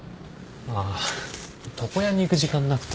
ああ床屋に行く時間なくて。